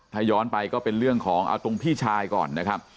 ถ้าย้อนไปก็เป็นเรื่องของเอาตรงพี่ชายก่อนนะครับ